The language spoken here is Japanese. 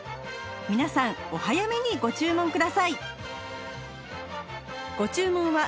皆さんお早めにご注文ください